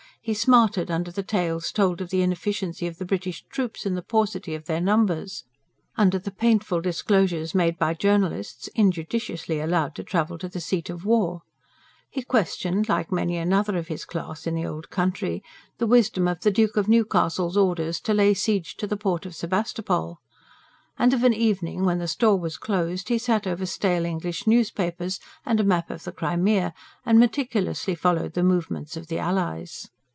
He smarted under the tales told of the inefficiency of the British troops and the paucity of their numbers; under the painful disclosures made by journalists, injudiciously allowed to travel to the seat of war; he questioned, like many another of his class in the old country, the wisdom of the Duke of Newcastle's orders to lay siege to the port of Sebastopol. And of an evening, when the store was closed, he sat over stale English newspapers and a map of the Crimea, and meticulously followed the movements of the Allies.